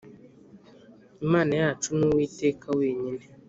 Imana yacu ni we Uwiteka wenyine